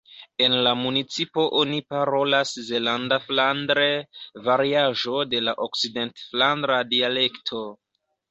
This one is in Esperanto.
En la municipo oni parolas zelanda-flandre, variaĵo de la okcident-flandra dialekto.